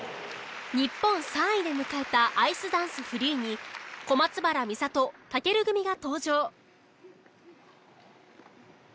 日本３位で迎えたアイスダンスフリーに小松原美里尊組が登場。